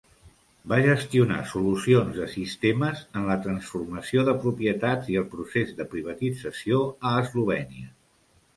Va gestionar solucions de sistemes en la transformació de propietats i el procés de privatització a Eslovènia.